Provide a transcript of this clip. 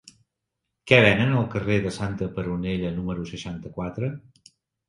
Què venen al carrer de Santa Peronella número seixanta-quatre?